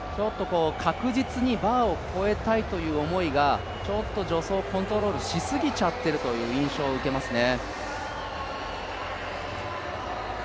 確実にバーを越えたいという思いがちょっと助走をコントロールしすぎちゃってるという印象を受けますね。